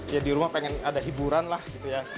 ya di rumah pengen ada hiburan lah gitu ya